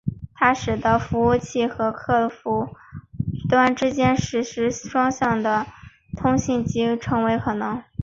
它使得服务器和客户端之间实时双向的通信成为可能。